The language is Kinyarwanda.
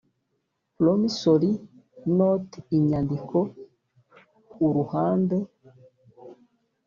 promissory note inyandiko uruhande